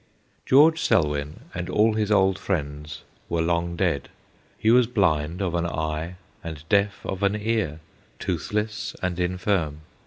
George Selwyn and all his old friends were long dead. He was blind of an eye and deaf of an ear, toothless and infirm.